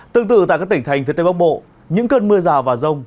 tương tự tại các tỉnh thành phía tây bắc bộ những cơn mưa rào và rông